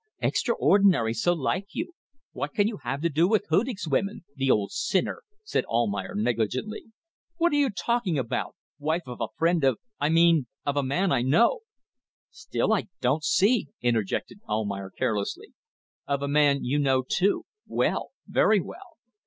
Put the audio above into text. "Extraordinary! So like you! What can you have to do with Hudig's women? The old sinner!" said Almayer, negligently. "What are you talking about! Wife of a friend of ... I mean of a man I know ..." "Still, I don't see ..." interjected Almayer carelessly. "Of a man you know too. Well. Very well."